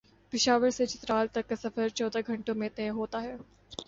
پشاورسے چترال تک کا سفر چودہ گھنٹوں میں طے ہوتا ہے ۔